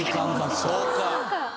そうか。